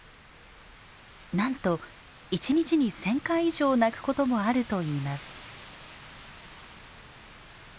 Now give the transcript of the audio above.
なんと一日に１，０００回以上鳴くこともあるといいます。